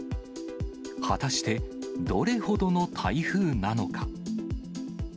果たしてどれほどの台風なのか。